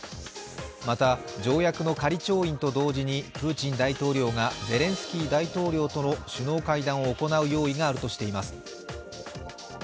また、条約の仮調印と同時にプーチン大統領がゼレンスキー大統領との首脳会談を行う用意があるとしています。